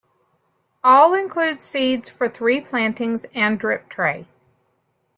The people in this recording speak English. All include seeds for three plantings and drip tray.